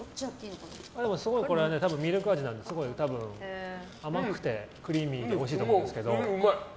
これはミルク味なのですごい甘くてクリーミーでおいしいと思うんですけど。